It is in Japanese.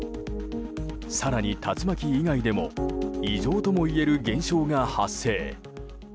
更に竜巻以外でも異常ともいえる現象が発生。